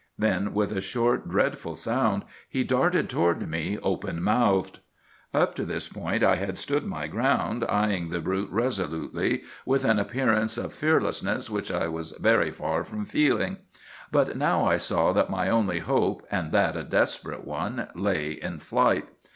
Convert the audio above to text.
Then with a short, dreadful sound he darted toward me, open mouthed. "Up to this point I had stood my ground, eying the brute resolutely, with an appearance of fearlessness which I was very far from feeling. But now I saw that my only hope, and that a desperate one, lay in flight.